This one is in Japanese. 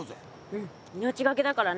うん命がけだからね